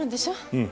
うん。